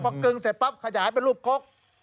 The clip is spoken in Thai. พอกึงเสร็จปั๊บขยายเป็นรูปกก